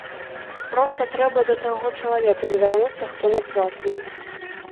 Проста трэба да таго чалавека звярнуцца, хто на платным.